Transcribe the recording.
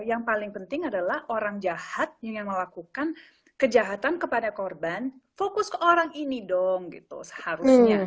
yang paling penting adalah orang jahat yang melakukan kejahatan kepada korban fokus ke orang ini dong gitu seharusnya